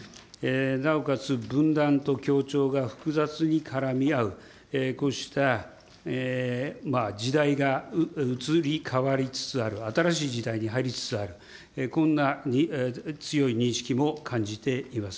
なおかつ、分断と協調が複雑に絡み合う、こうした時代が移り変わりつつある、新しい時代に入りつつある、こんな強い認識も感じています。